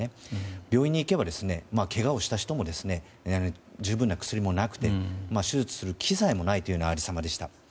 病院に行けばけがをした人も十分な薬もなくて手術する機材もないというありさまでした。